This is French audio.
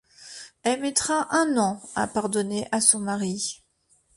Elle mettra un an à pardonner à son mari.